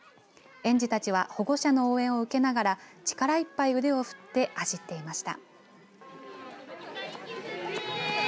園児たちは保護者の応援を受けながら力一杯腕を振って走っていました。